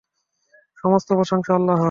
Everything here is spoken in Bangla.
সমস্ত প্রশংসা আল্লাহর।